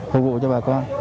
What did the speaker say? phục vụ cho bà con